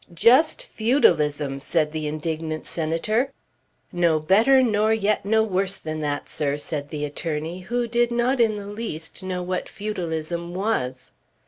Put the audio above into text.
"Just feudalism!" said the indignant Senator. "No better, nor yet no worse than that, sir," said the attorney who did not in the least know what feudalism was.